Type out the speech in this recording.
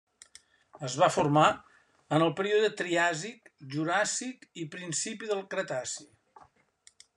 Es va formar en el període Triàsic, Juràssic, i principi del Cretaci.